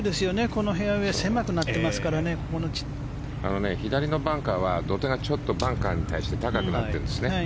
このフェアウェー左のバンカーは土手がちょっとバンカーに対して高くなってるんですね。